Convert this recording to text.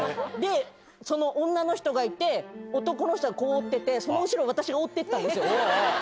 その女の人がいて男の人が追っててその後ろを私が追ってったんですよ。